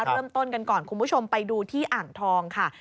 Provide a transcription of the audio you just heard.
เริ่มต้นกันก่อนคุณผู้ชมไปดูที่อ่างทองค่ะ